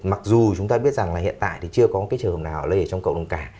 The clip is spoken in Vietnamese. mặc dù chúng ta biết rằng là hiện tại thì chưa có cái trường hợp nào ở lề trong cộng đồng cả